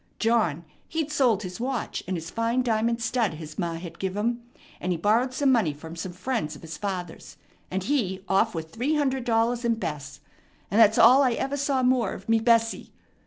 John, he'd sold his watch and his fine diamond stud his ma had give him; and he borrowed some money from some friends of his father's, and he off with three hundred dollars and Bess; and that's all I ever saw more of me Bessie."